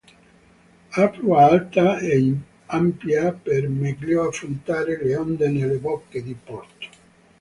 Ha prua alta e ampia per meglio affrontare le onde nelle bocche di porto.